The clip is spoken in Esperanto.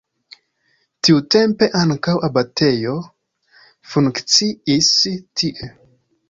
Tiutempe ankaŭ abatejo funkciis tie.